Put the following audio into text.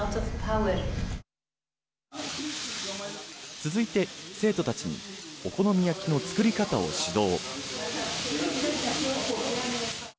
続いて、生徒たちにお好み焼きの作り方を指導。